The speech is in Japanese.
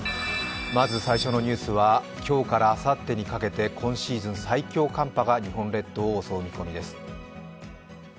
最初のニュースは今日からあさってにかけて今シーズン最強寒波が日本列島を襲う見込みです。